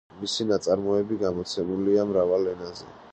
მისი ნაწარმოები გამოცემულია მრავალ ენაზე.